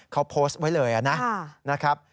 เขาโพสต์ไว้เลยนะ